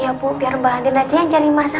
iya bu biar mbak andin aja yang cari massa